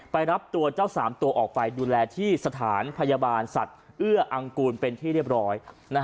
รับตัวเจ้า๓ตัวออกไปดูแลที่สถานพยาบาลสัตว์เอื้ออังกูลเป็นที่เรียบร้อย